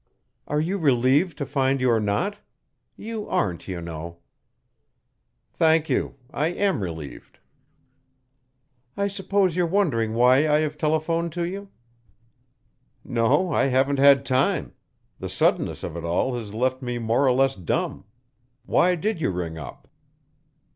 "Are you relieved to find you are not? You aren't, you know." "Thank you. I am relieved." "I suppose you're wondering why I have telephoned to you?" "No, I haven't had time. The suddenness of it all has left me more or less dumb. Why did you ring up?"